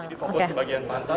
jadi fokus bagian pantat